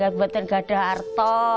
saya membuatkan kaya harta